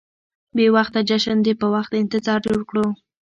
بې وخته جشن دې په وخت د انتظار جوړ کړو.